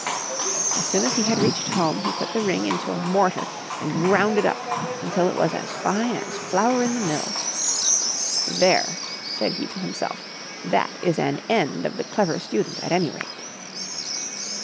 As soon as he had reached home, he put the ring into a mortar and ground it up until it was as fine as flour in the mill. " There !" said he to himself, " that is an end of the Clever Student at any rate."